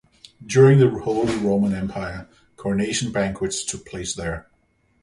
During the Holy Roman Empire, coronation banquets took place there.